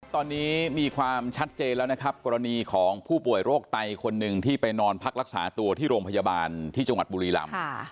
ตอนนี้มีความชัดเจนแล้วนะครับกรณีของผู้ป่วยโรคไตคนหนึ่งที่ไปนอนพักรักษาตัวที่โรงพยาบาลที่จังหวัดบุรีลำ